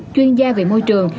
chuyên gia về môi trường